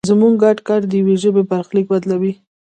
زموږ ګډ کار د یوې ژبې برخلیک بدلوي.